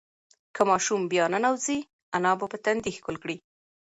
که ماشوم بیا ننوځي، انا به یې په تندي ښکل کړي.